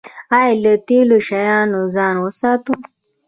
ایا له تیرو شیانو ځان وساتم؟